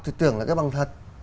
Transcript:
thì tưởng là cái bằng thật